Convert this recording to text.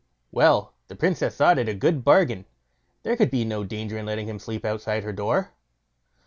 Well, the Princess thought it a good bargain; there could be no danger in letting him sleep outside her door.